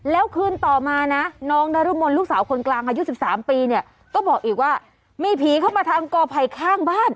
แล้วคืนต่อมานะน้องนรมนลูกสาวคนกลางอายุ๑๓ปีเนี่ยก็บอกอีกว่ามีผีเข้ามาทางกอไผ่ข้างบ้าน